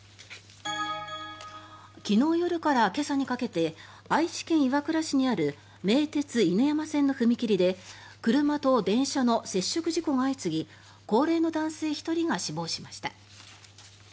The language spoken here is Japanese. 昨日夜から今朝にかけて愛知県岩倉市にある名鉄犬山線の踏切で車と電車の接触事故が相次ぎ高齢の男性１人が死亡しました。